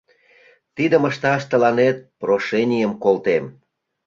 Тидым ышташ тыланет прошенийым колтем.